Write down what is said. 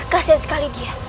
kasian sekali dia